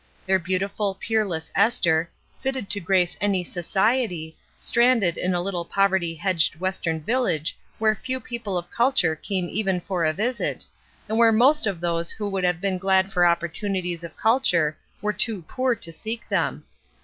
Their beau tiful, peerless Esther, fitted to grace any society, stranded in a Uttle poverty hedged Western village where few people of culture came even for a visit, and where most of those who would have been glad for opportunities of culture were too poor to seek them.